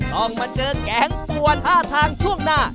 ต้องมาเจอแก๊งปวดท่าทางช่วงหน้า